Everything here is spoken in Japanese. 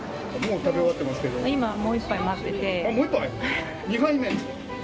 今、もう１杯待ってて。